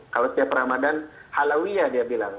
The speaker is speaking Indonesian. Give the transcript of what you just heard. kalau setiap ramadan halawiya dia bilang